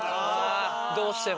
どうしても。